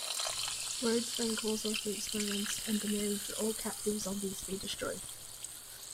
Rhodes then calls off the experiments and demands that all captive zombies be destroyed.